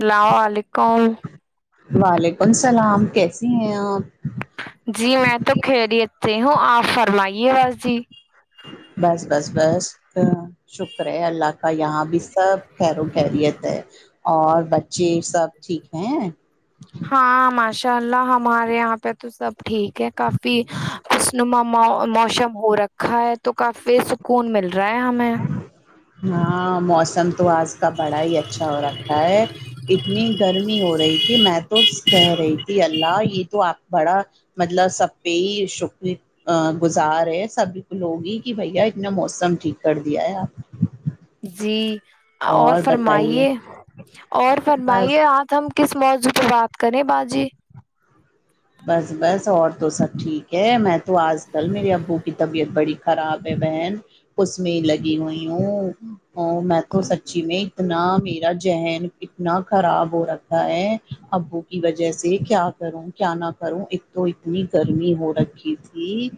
اللام علیکم وعلیکم السلام کیسیے ہیں آپ جی میں تو کھیریتی ہوں آپ فرمائیے بس جی بس بس بس ہ شکر ہے اللہ کا یہاں بھی سب خیر و خیریت ہے اور بچے سب ٹھیک ہیں ہاں ماشاء اللہ ہمارے یہاں پہ تو سب ٹھیک ہے کافی خوشنما موسم ہو رکھا ہے تو کافی سکون مل رہا ہے ہمیں ہاں موسم تو آج کا بڑا ہی اچھا ہو رکھا ہے اتنی گرمی ہو رہی تھی میں تو کہہ رہی تھی اللہ یہ تو آپ بڑا مطلب سبہ شکری ا گزار ہے سبکلوگی کہ بھیا اتنا موسم ٹھیک کر دیا ہے آپ نے جی اور بتائیے فرمائیے اور بس فرمائیے آپ ہم کس موضوع پر بات کریں باجی [inaudible] بس بس اور تو سب ٹھیک ہے میں تو آج کل میرے ابو کی طبیعت بڑی خراب ہے بن اس میں ہی لگی ہوئی ہوں ا میں تو سچی میں اتنا میرا ذہن اتنا خراب ہو رکھا ہے ابو کی وجہ سے کیا کروں کیا نہ کروں ا تو اتنی گرمی ہو رکھی تھی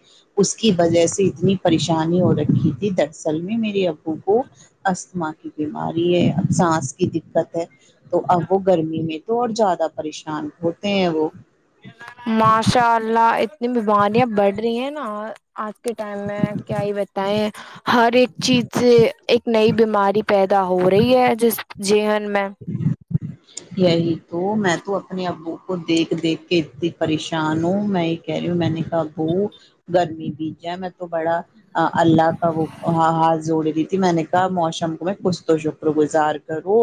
اس کی وجہ سے اتنی پریشانی ہو رکھی تھی دراصل میں میری ا کو استھما کی بیماری ہے سانس کی دقت ہے تو اب وہ گرمی میں تو اور زیادہ پریشان ہوتے ہیں وہ ماشاء اللہ اتنی بیماریاں بڑھ رہی ہیں نا آج کے ٹائم میں کیا ہی بتائیں ہر ایک چیز سے ایک نئی بیماری پیدا ہو رہی ہے جس جی ہن میں یہی تو میں تو اپنے ابو کو دیکھ دیکھ کے اتنی پریشان ہوں میں کہہ رہی ہوں میں نے کہا ب گرمی بیجا میں تو بڑا اللہ کا وہ ہاتھ جوڑ رہی تھی میں نے کا موسم کو میں کچھ تو شکر گزار کروں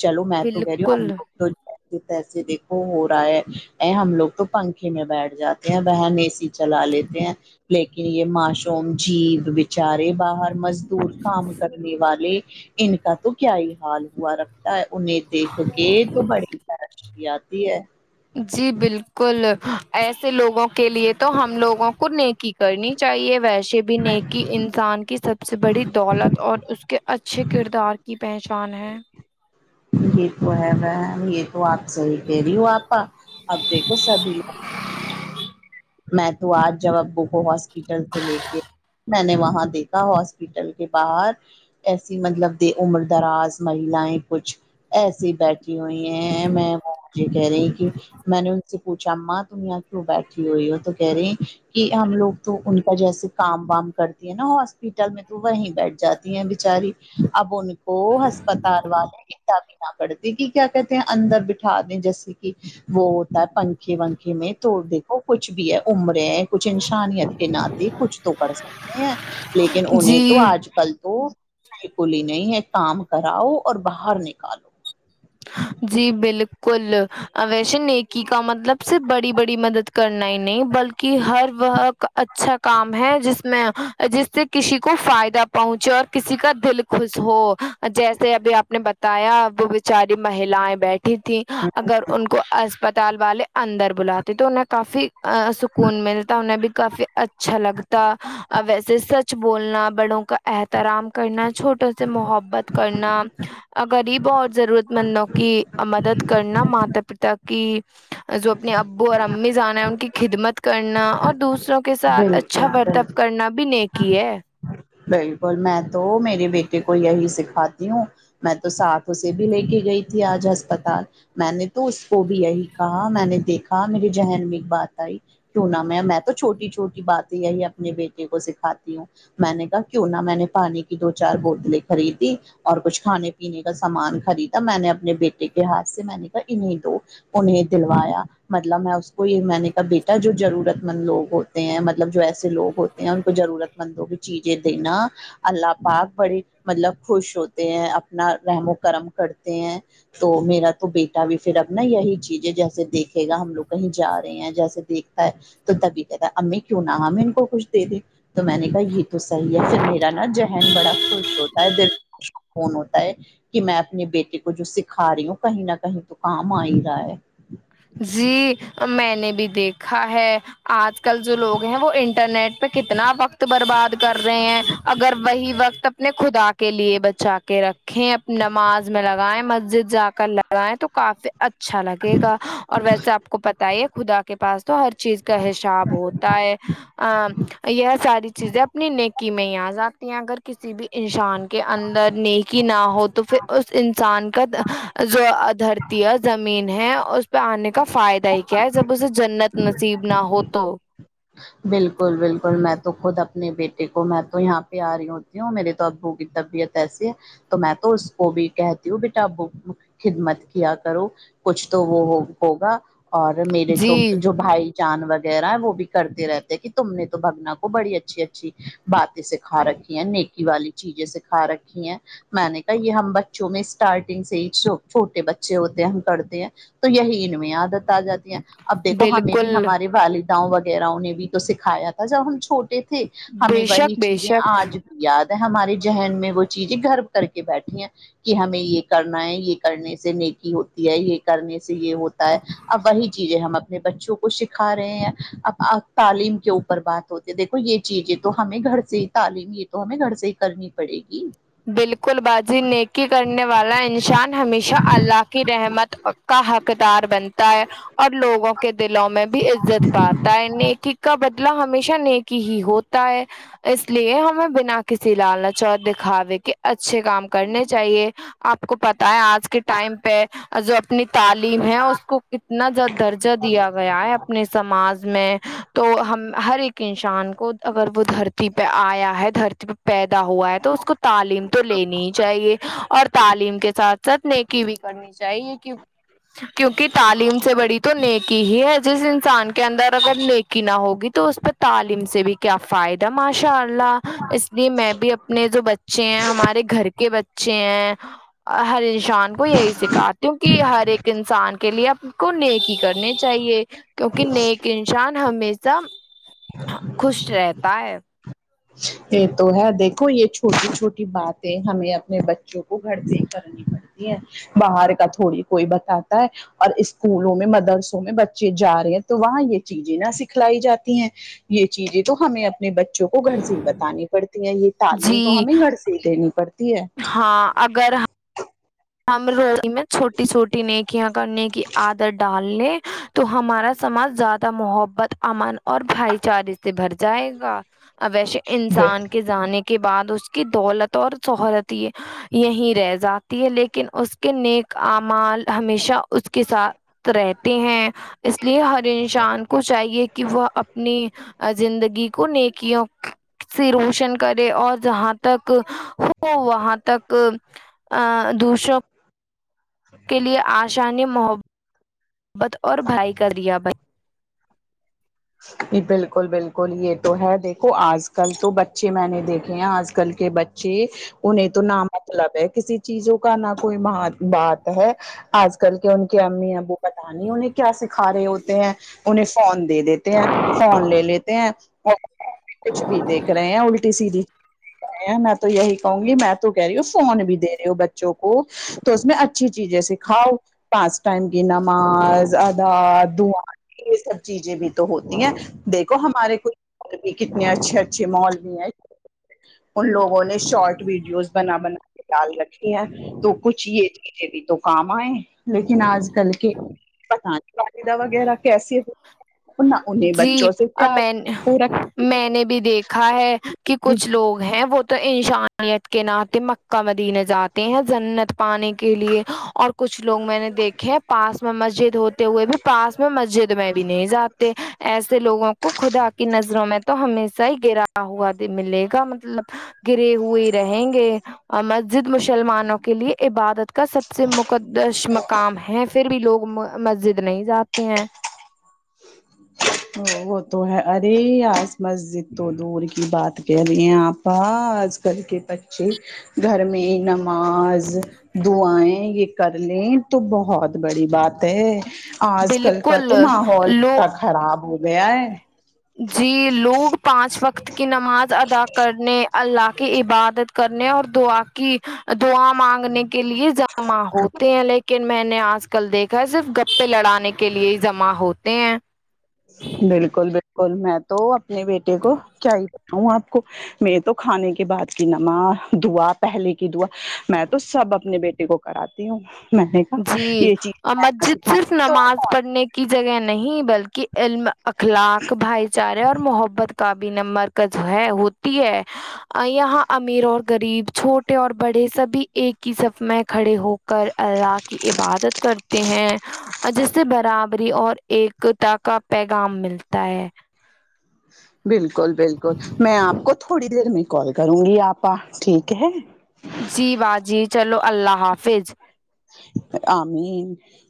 چلو میں تو کہہ رہی ہوں ہم بالکل لوگ تو ایسے پیسے دیکھو ہو رہا ہے ا ہم لوگ تو پنکھے میں بیٹھ جاتے بہن اے سی چلا لیتے ہیں لیکن یہ معصوم جیب بچارے باہر مس دور کام کرنے والے ان کا تو کیا ہی حال ہوا رکھتا ہے انہیں دیکھ کے تو بڑی ترقی آتی ہے جی بالکل ایسے لوگوں کے لیے تو ہم لوگوں کو نیکی کرنی چاہیے ویسے بھی بھی نیکی انسان کی سب سے بڑی دولت اور اس کے اچھے کردار کی پہچان ہے یہ تو ہے وہ یہ تو آپ صحی کہہ رہی ہو آپا اب دیکھو سبھی لوگ میں تو آج جب ابو کو ہاسپٹل سے لے کے میں نے وہاں دیکھا ہاسپٹل کے باہر ایسی مطلب د عمر دراز مہیلایں کچھ ایسے بیھ ہوئی ہیں میں وہ مجھ یہ کہہ رہی کہ میں نے ان سے پوچھااں تم یہاں کیوں بیٹھھی ہوئی ہے تو کہہ رہی کہ ہم لوگ تو ان کا جیسے کام وام کرتی ہیں نا ہاسپیٹل میں تو وہیں بیٹھ جاتی ہیں بیچاری اب ن [inaudible] کو ہسپتال والے اٹا بھی نہ کرتے کہ کیا کہتے ہیں اندر بٹھا دیں جیسی وہ ہوتا ہے پنکھے ونکھے میں تو دیکھو کچھ بھی ہے امرے ہیں کچھ انسانیت کے ناطے کچھ تو کر سک ہیں لیکن انہیں تو جی آج کل تو بک ہی نہیں ہے کام کراؤ اور باہر نکالو جی بالکل ویسے نیکی کا مطلب صرف بڑی بڑی مدد کرنا ہی نہیں بلکہ ہر وہ کا اچا اچھا کام ہے جس میں جس سے کسی کو فائدہ پہنچے اور کسی کا دل خوش ہو جیسے ابھی آپ نے بتایا وہ چاری مہیلاائیں بیٹھی تھیں اگر ان کو اسپتال والے اندر بلاتی تو انہیں کافی سکون ملتا انہیں بھی کافی اچھا لگتا ویسے سچ بولنا بڑوں کا احترام کرنا چھوٹوں سے محبت کرنا غریب اور ضرورت مندوں کی مدد کرنا ماتا پتا کہ جو اپنے ابو اور امی جانا ہے ان کی خدمت کرنا اور دوسروں کے ساتھ بالکل اچھا بالکل برتاب کرنا بھی نیکی ہے بالکل میں تو میرے بیٹے کو یہی سکھاتی ہوں میں تو ساتھوں سے بھی لے کے گئی تھی آج ہسپتال میں نے تو اس کو بھی یہی کہا میں نے دیکھا میرے ذہن میں ایک بات آئی کیوں نہ میں میں تو چھوٹی چھوٹی باتیں یہی اپنے بیٹے کو سکھاتی ہوں میں نے کہا کیوں نہ میں نے پانی کی دو چار بوتلیں خریدی اور کچھ کھانے پینے کا سامان خریدا میں نے اپنے بیٹے کے ہاتھ سے میں نے کہا انہیں دو [unintelligible] انہ دلوایا مطلب میں اس کو یہ میں نے کہا بیٹا جو ضرورت مند لوگ ہوتے ہیں مطلب جو ایسے لوگ ہوتے ان کو ضرورت مند ہوگ چیزیں دینا اللہ پاک بڑے مطلب خوش ہوتے ہیں اپنا رحم و کرم کرتے ہیں تو میرا تو بیٹا بھی پھر اب نا یہی چیز ہے جیسے دیکھے گا ہم لوگ کہیں جا رہے ہیں جیسے دیکھتا ہے تو تبھی کہتا امی کیوں نہ ہمیں ان کو کچھ دے د تو میں نے کہا یہ تو صحیح ہے پھر میرا نا ذہن بڑا خوش ہوتا ہے دل فون ہوتا ہے کہ میں اپنے بیٹے کو جو سکھا رہی ہوں کہیں نہ کہیں تو کام آ ہی رہا ہے جی میں نے بھی دیکھا ہے آج کل جو لوگ ہیں وہ انٹرنیٹ پہ کتنا وقت برباد کر رہے ہیں اگر وہی وقت اپنے خدا کے لیے بچا کے رکھے نماز میں لگائائے مسجد جا کر بیں تو کافی اچھا لگے گا اور ویسے آپ کو پت ہی ہے خدا کے پاس تو ہر چیز کا حساب ہوتا ہے ا یہ ساری چیزیں اپنی نیکی میں ہی آ جاتی ہیں اگر کسی بھی انسان کے اندر نیکی نہ ہو تو پھر اس انسان کا جو دھرتیا زمین ہے اس پہ آنے کا فائدہ ہی کیا ہے جب اسے جنت نصیب نہ ہو تو بالکل بالکل میں تو خود اپنے بیٹے کو میں تو یہاں پہ آ رہی ہوتی ہوں میرے تو ابو کی طبیعت سے تو میں تو اس کو بھی کہتی ہوں بیٹا خدمت کیا کرو کچھ تو وہ ہو ہوگا اور میرے تو جی جو بھائی جان وغیرہ ہے وہ بھی کرتے رہتے ہیں کہ تم نے تو بگنا کو بڑی اچھی اچھی باتیں سکھا رکھی ہیں نیک والی چیزیں سکھا رکھی ہیں میں نے کہا یہ ہم بچوں میں اسٹارٹنگ سے ہی چھوٹے بچے ہوتے ہیں ہم کرتے ہیں تو یہی ان میں آد آ جاتی ہے اب دیکھو ہمیں بھی بالکل ہمارے والداؤں وغیرہوں نے بھی تو سکھایا تھا جب ہم چھوٹے تھے ہمیں بے وہی شک بے چیزیں شک آج بھی یاد ہے ہمارے ذہن میں وہ چیزیں گھر کر کے بیٹھی ہیں کہ ہمیں یہ کرنا ہے یہ کرنے سے نیکی ہوتی ہے یہ کرنے سے یہ ہوتا ہے اب وہی چیزیں ہم اپنے بچوں کو سکھا رہے ہیں اب تعلیم کے اوپر بات ہوتی ہے دیکھو یہ چیزیں تو ہمیں گھر سے ہی تعلیم یہ تو ہمیں گھر سے ہی کرنی پڑے گی بالکل بازی نیکی کرنے والا انسان ہمیشہ اللہ کی رحمت کا حقدار بنتا ہے اور لوگوں کے دلوں میں بھی عزت پاتا ہے ٹھیکا ب ہمیشہ نیکی ہی ہوتا ہے اس لیے ہمیں بنا کسی لال نہ چ د کھاوے کے اچھے کام کرنے چاہیے آپ کو پتا ہے آج کے ٹائم پہ جو اپنی تعلیم ہے اس کو کتنا درجہ دیا گیا ہے اپنے سماج میں تو ہم ہر ایک انسان کو اگر وہ دھرتی پہ آیا ہے دھرتی پہ پیدا ہوا ہے تو اس کو تعلیم تو لینی ہی چاہیے اور تعلیم کے ساتھ ساتھ نیکی بھی کرنی چاہیے کی کیونکہ تعلیم سے بڑی تو نیکی ہی ہے جس انسان کے کے اندر اگر لیکی نہ ہوگی تو اس پہ تعلیم سے بھی کیا فائدہ ماشاء اللہ اس جی میں بھی اپنے جو بچے ہیں ہمارے گھر کے بچے ہیں ہ شان کو یہی سکھاتی ہوں کہ ہر ایک انسان کے لیے اب کو نیک ہی کرنے چاہیے کیونکہ نیک انسان ہمیں سب خوش رہتا ہے یہ تو ہے دیکھو یہ چھوٹی چھوٹی باتیں ہمیں اپنے بچوں کو گھر سے ہی کر تی ہیں باہر کا تھوڑی کوئی بتاتا ہے اور اسکولوں میں مدرسوں میں بچے جا رہے ہیں تو وہاں یہ چیزیں نہ سکھلائی جاتی ہیں یہ چیزیں تو ہمیں اپنے بچوں کو کو گھر سے ہی بتانی پڑتی ہے یہ تعلیم تو جی ہمیں گھر سے ہی دینی پڑتی ہے ہاں اگر ہم روٹیی میں چھوٹی چھوٹی نیکیاں کا نیکی آدر ڈال لے تو ہمارا سماج زیادہ محبت امن اور بھائی چارے سے بھر جائے گا ا ویسے ہے انسان کے جانے کے بعد اس کی دولت اور سہرت یہ یہیں رہ جاتی ہے لیکن لن اس کے نیک امال ہمیشہ اس کے ساتھ رہتے ہیں اس لیے ہر انسان کو چاہیے کہ وہ اپنی زندگی کو نیکیوں سے روشن کرے اور جہاں تک ہو وہاں تک آ دوشو کے لیے آشانی محت محبت اور بھائی کر ریابت بالکل بالکل یہ تو ہے دیکھو آج کل تو بچے میں نے دیکھے ہیں آج کل کے ب انہیں تو نہ مطلب ہے کسی چیزوں کا نہ کوئی بات ہے آج کل کے ان کے امی ابو پت نہیں انہیں کیا سکھا رہے ہوتے ہیں انہیں فون دے دیتے ہیں فون لے لیتے ہیں اور کچھ بھی دیکھ رہے ہیں الٹی سیدھی دیکھ رہے ہیں میں تو یہی کہوں گی میں تو کہہ رہی ہوں فون بھی دے رہے ہو بچوں کو تو اس میں اچھی چیزیں سکھاؤ پانچ ٹائم کی نماز ادا دع یہ سب چیزیں بھی تو ہوتی ہیں دیکھو ہمارے کو کتنے اچھے اچھے مال بھی ہیں ان لوگوں نے شارٹ ویڈیوز بنا بنا کے ڈال رکھی ہیں تو کچھ یہ دیکھے بھیھی تو کام آئے لیکن آج کل کے پت نہیں والدہ وغیرہ کیسے نہ انہیں جی بچوں سے ا پیار میں پورا میں نے بھی دیکھا ہے کہ کچھ لوگ ہیں وہ تو انشانیت کے ناطے مکہ مدینے جاتے ہیں جنت پانے کے لیے اور کچھ لوگ میں نے دیکھے ہیں پاس میں مسجد ہوتے ہوئے بھی پاس میں مسجد میں بھی نہیں جاتا ایسے لوگوں کو خدا کی نظروں میں تو ہش ص ہی گرا ہوا ملے گا مطلب گرے ہوئے رہیں گے مسجد مسلمانوں کے لیے عبادت کا سب سے مقدس مقام ہے پھر بھی لوگ مسجد نہیں جاتے ہیں ا وہ تو ہے ارے آس مسجد تو دور کی بات کہہ رہی ہیں آپ آج کل کے بچے گھر میں نماز دعایں یہ کر لیں تو بہت بڑی بات ہے آج کل کا بالکل تو ماحول لو انا خراب ہو گیا ہے جی لوگ پانچ وقت کی نماز ادا کرنے اللہ کی عبادت کرنے اور دعا کی دعا مانگنے کے لیے جمع ہوتے ہیں لیکن میں نے آج کل دیکھا ہے صرف گپپے لڑانے کے لیے ہی جمع ہوتے ہیں بالکل بالکل میں تو اپنے بیٹے کو چاہ ہ آپ کو میں تو کھانے کے بعد کی نمک دوا پہلے کی دعا میں تو سب اپنے بیٹے کو کراتی ہوں میں نے کہ جی یہ اور مسجد چیزکھں صرف تو نماز کون پڑھنے کی جگہ نہیں بلکہ علم اخلاق بھائی چارے اور محبت کا بھی نمبر کا جو ہے ہوتی ہے یہاں امیر اور غریب چھوٹے اور بڑے سبھی ایک ہی سب میں کھڑے ہو کر اللہ کی عبادت کرتے ہیں جس سے برابری اور ایکتا کا پیغام ملتا ہے بالکل بالکل میں آپ کو تھوڑی دیر میں کال کروں گی آپا ٹھیک ہے جی باجی چلو اللہ حافظ [unintelligible]